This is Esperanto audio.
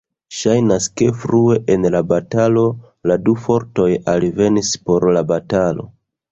Ŝajnas ke frue en la batalo, la du fortoj alvenis por la batalo.